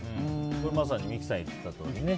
これ、まさに三木さんが言ってたとおりね。